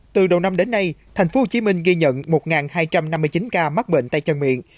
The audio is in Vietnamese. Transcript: từ đầu năm đến nay thành phố hồ chí minh ghi nhận một hai trăm năm mươi chín ca mắc bệnh tay chân miệng